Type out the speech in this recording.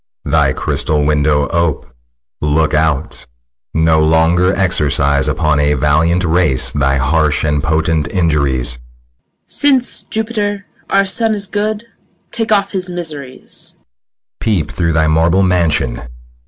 Thy crystal window ope; look out; No longer exercise Upon a valiant race thy harsh And potent injuries. MOTHER. Since, Jupiter, our son is good, Take off his miseries. SICILIUS. Peep through thy marble mansion.